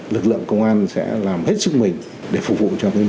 lực lượng công an sẽ làm hết sức mình để phục vụ cho tất cả các tội phạm